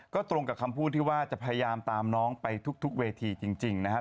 ก็ตรงกับคำพูดที่ว่าจะพยายามตามน้องไปทุกเวทีจริงนะครับ